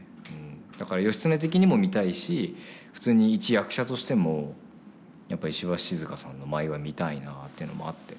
だから義経的にも見たいし普通に一役者としてもやっぱ石橋静河さんの舞は見たいなっていうのもあって。